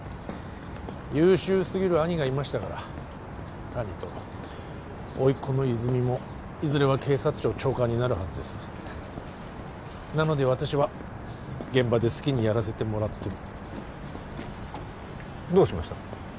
優秀すぎる兄がいましたから兄と甥っ子の泉もいずれは警察庁長官になるはずですなので私は現場で好きにやらせてもらってるどうしました？